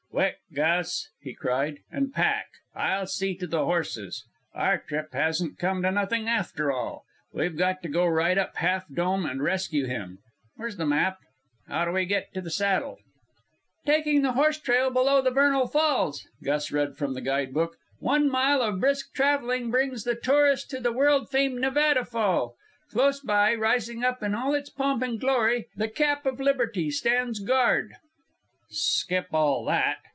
"Quick, Gus," he cried, "and pack! I'll see to the horses. Our trip hasn't come to nothing, after all. We've got to go right up Half Dome and rescue him. Where's the map? How do we get to the Saddle?" "'Taking the horse trail below the Vernal Falls,'" Gus read from the guide book, "'one mile of brisk traveling brings the tourist to the world famed Nevada Fall. Close by, rising up in all its pomp and glory, the Cap of Liberty stands guard " "Skip all that!"